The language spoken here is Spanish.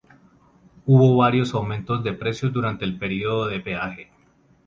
Hubo varios aumentos de precios durante el período de peaje.